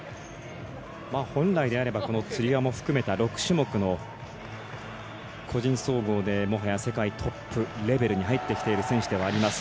本来であればこのつり輪も含めた６種目の個人総合でもはや世界トップレベルに入ってきている選手ではあります。